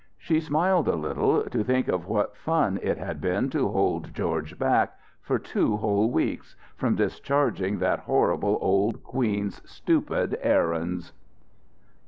She smiled a little, to think of what fun it had been to hold George back, for two whole weeks, from discharging that horrible old queen's stupid errands.